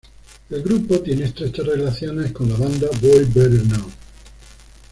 El grupo tiene estrechas relaciones con la banda Boy Better Know.